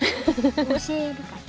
教えるから。